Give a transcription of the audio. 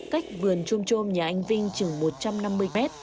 cách vườn trôm trôm nhà anh vinh chừng một trăm năm mươi mét